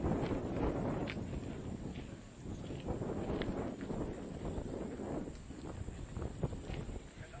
สวัสดีครับ